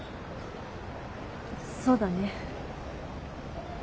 そうだね。